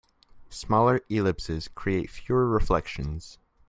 Smaller ellipses create fewer reflections.